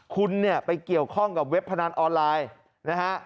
คุณเนี่ยไปเกี่ยวข้องกับเว็บพนันออนไลน์นะฮะ